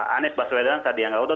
anies baswedan tadi yang gak utuh